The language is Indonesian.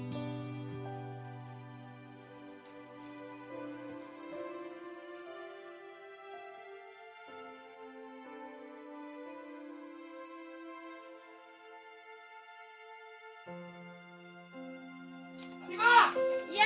tunggu nanti cuma gini ya